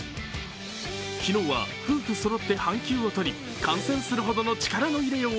昨日は夫婦そろって半休を取り、観戦するほどの力の入れよう。